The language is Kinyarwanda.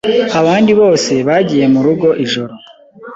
Abandi bose bagiye murugo ijoro.